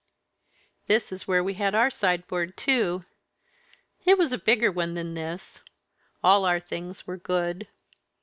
"This is where we had our sideboard too it was a bigger one than this; all our things were good.